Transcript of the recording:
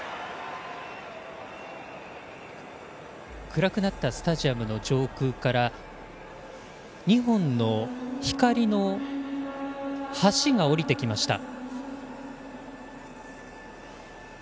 暗くなったスタジアムの上空から２本の光の橋が下りてきました。